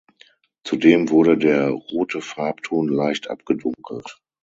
Zudem wurde der rote Farbton leicht abgedunkelt.